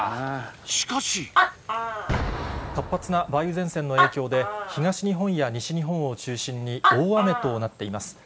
しかし活発な梅雨前線の影響で東日本や西日本を中心に大雨となっています。